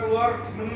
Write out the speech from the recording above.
kita keluar keberanian